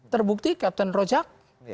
terbukti captain rojak